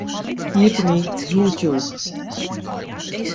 Iepenje YouTube.